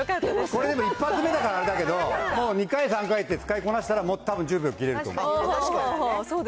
これでも一発目だからあれだけど、２回、３回と使いこなしたらたぶん１０秒切れると思う。